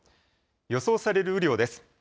予想される雨量です。